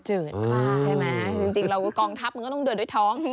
ใช่ไหมจริงเรากองทัพมันก็ต้องเดินด้วยท้อง